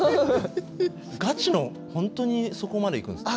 ガチの本当にそこまでいくんですか？